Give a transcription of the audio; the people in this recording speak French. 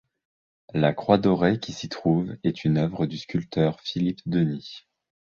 La croix dorée qui s’y trouve est une œuvre du sculpteur Philippe Denis.